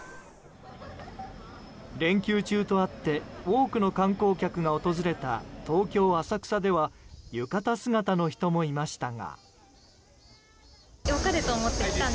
連休中とあって多くの観光客が訪れた東京・浅草では浴衣姿の人もいましたが。